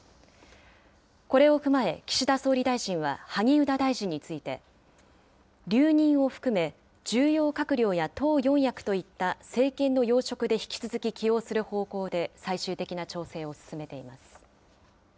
これを踏まえ、岸田総理大臣は萩生田大臣について、留任を含め重要閣僚や党４役といった政権の要職で引き続き起用する方向で最終的な調整を進めています。